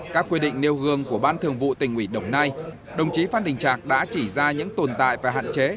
các quy định nêu gương của ban thường vụ tỉnh ủy đồng nai đồng chí phan đình trạc đã chỉ ra những tồn tại và hạn chế